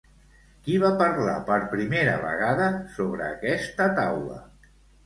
Qui va parlar, per primera vegada, sobre aquesta taula?